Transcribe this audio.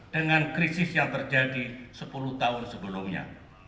dengan krisis yang terjadi sepuluh tahun sebelumnya